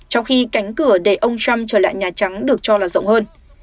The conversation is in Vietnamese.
trong khi cánh cửa để ông trump trở lại nhà trắng được cho là rộng hơn